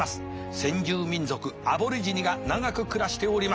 先住民族アボリジニが長く暮らしております。